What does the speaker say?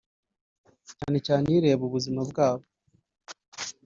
cyane cyane ireba ubuzima bwabo